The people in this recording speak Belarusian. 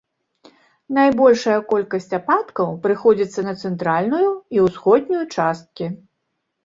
Найбольшая колькасць ападкаў прыходзіцца на цэнтральную і ўсходнюю часткі.